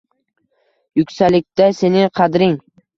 Yuksaklikda sening qadring